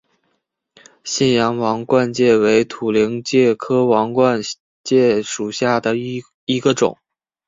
信阳王冠介为土菱介科王冠介属下的一个种。